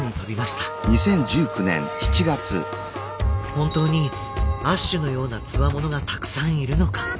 本当にアッシュのようなつわものがたくさんいるのか。